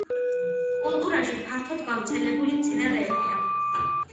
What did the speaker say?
კულტურაში ფართოდ გავრცელებული მცენარეებია.